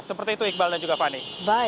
seperti itu iqbal dan juga fani